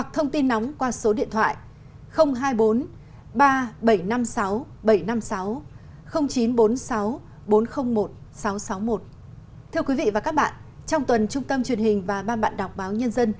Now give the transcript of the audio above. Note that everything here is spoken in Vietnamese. thưa quý vị và các bạn trong tuần trung tâm truyền hình và ban bạn đọc báo nhân dân